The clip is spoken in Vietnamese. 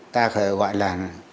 ta gọi là